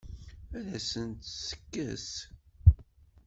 Ad asent-tt-tekkes?